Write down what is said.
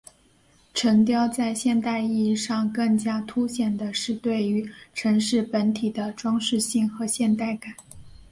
城雕在现代意义上更加凸显的是对于城市本体的装饰性和现代感。